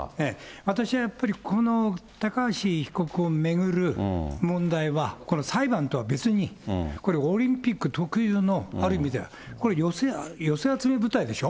私はやっぱり、この高橋被告を巡る問題は、この裁判とは別に、これ、オリンピック特有の、ある意味では、これ、寄せ集め部隊でしょ？